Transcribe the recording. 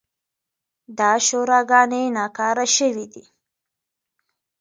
دا شوراګانې ناکاره شوې دي.